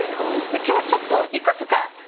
今日はちょっといくつか。